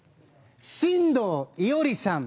進藤いおりさん。